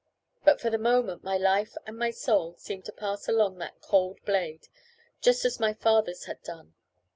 But for the moment my life and my soul seemed to pass along that cold blade, just as my father's had done.